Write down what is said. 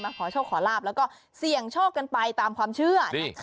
ขอโชคขอลาบแล้วก็เสี่ยงโชคกันไปตามความเชื่อ